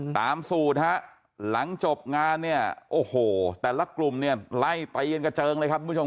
ตามสูตรหลังจบงานเนี่ยโอ้โหแต่ละกลุ่มเนี่ยไล่ตายเย็นกระเจิงเลยครับที่ผื่น